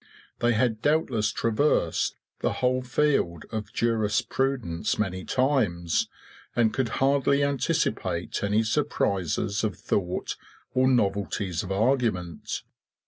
They had doubtless traversed the whole field of jurisprudence many times, and could hardly anticipate any surprises of thought or novelties of argument.